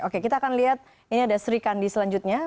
oke kita akan lihat ini ada sri kandi selanjutnya